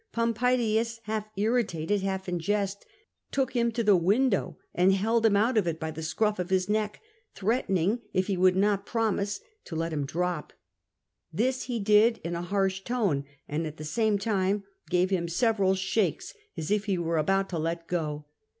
Pompaedius, half irritated, half in jest, took him to the window and held him out of it by the scruff of his neck, threatening, if he would not promise, to let him drop. This he did in a harsh tone, and at the same time gave him several shakes, as if he were about to let go.